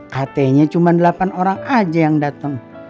katanya cuma delapan orang aja yang datang